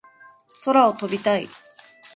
空を飛びたい